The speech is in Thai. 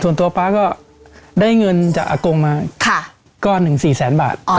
ส่วนตัวป๊าก็ได้เงินจากอักงมาก็๑๔๐๐บาท